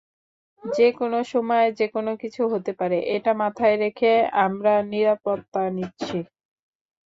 যেকোনো সময় যেকোনো কিছু হতে পারে, এটা মাথায় রেখে আমরা নিরাপত্তা নিচ্ছি।